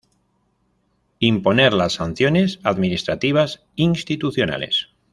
Imponer las sanciones administrativas institucionales.